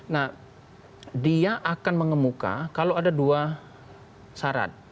nah dia akan mengemuka kalau ada dua syarat